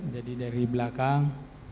jadi dari belakang